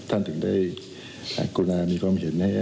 การแจ้งข้อเก่าหาเนี่ยคือสำนวนเราโอนมาจากการเจ้าหน้าบุรี